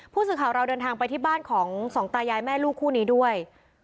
ผู้สื่อข่าวเราเดินทางไปที่บ้านของสองตายายแม่ลูกคู่นี้ด้วย